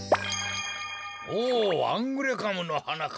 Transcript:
おおアングレカムのはなか。